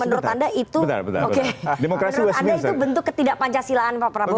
menurut anda itu bentuk ketidak pancasilaan pak prabowo